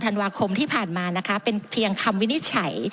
ธันวาคมที่ผ่านมานะคะเป็นเพียงคำวินิจฉัย